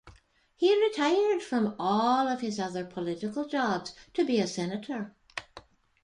He retired from all of his other political jobs to be a senator.